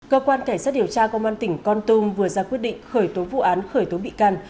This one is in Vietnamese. cơ quan cảnh sát điều tra công an tỉnh con tum vừa ra quyết định khởi tố vụ án khởi tố bị can